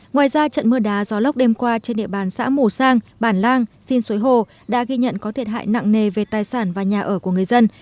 ngoài ra trận mưa đá gió lốc đêm qua trên địa bàn xã mù sang bản lang xin suối hồ đã ghi nhận có thiệt hại nặng nề về tài sản và nhà ở của người dân